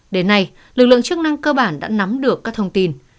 đến nay lực lượng chức năng cơ bản đã nắm được các thông tin